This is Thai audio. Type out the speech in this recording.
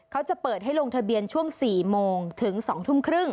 เขาจะเปิดให้ลงทะเบียนช่วง๔โมงถึง๑๒๓๐